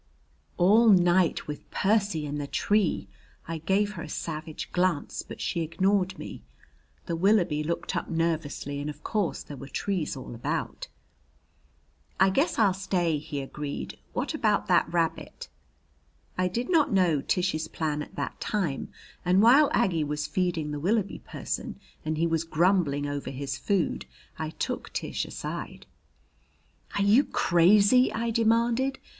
All night with Percy in the tree! I gave her a savage glance, but she ignored me. The Willoughby looked up nervously, and of course there were trees all about. "I guess I'll stay," he agreed. "What about that rabbit?" I did not know Tish's plan at that time, and while Aggie was feeding the Willoughby person and he was grumbling over his food, I took Tish aside. "Are you crazy?" I demanded.